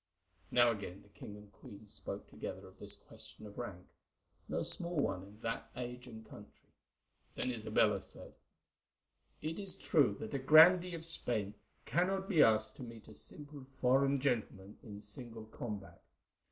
Now again the king and queen spoke together of this question of rank—no small one in that age and country. Then Isabella said: "It is true that a grandee of Spain cannot be asked to meet a simple foreign gentleman in single combat.